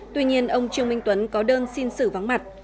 tuy nhiên ông trương minh tuấn có đơn xin xử vắng mặt